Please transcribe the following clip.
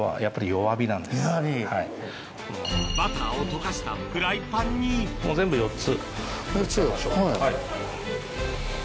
バターを溶かしたフライパンにもう全部４つ入れちゃいましょう。